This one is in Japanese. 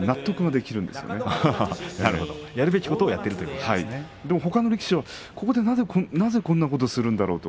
やることやるべきことをほかの力士はここでなぜこんなことをするんだろう？と